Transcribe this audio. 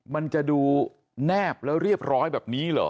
มันจะดูแนบแล้วเรียบร้อยแบบนี้เหรอ